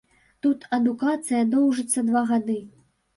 Тут адукацыя доўжыцца два гады.